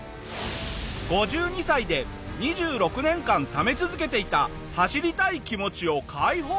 ５２歳で２６年間ため続けていた走りたい気持ちを解放！